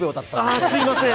すみません。